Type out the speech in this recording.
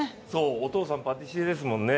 お父さん、パティシエですもんね。